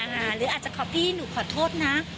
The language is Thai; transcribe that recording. หรืออาจจะขอพี่หนูขอโทษนะ